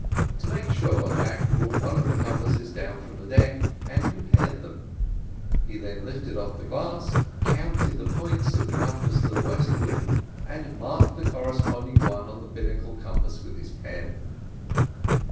To make sure, Jack brought one of the compasses down from deck, and compared them. He then lifted off the glass, counted the points of the compass to the westward, and marked the corresponding one on the binnacle compass with his pen.